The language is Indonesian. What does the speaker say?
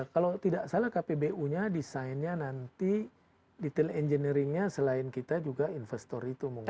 kalau tidak salah kpbu nya desainnya nanti detail engineeringnya selain kita juga investor itu mungkin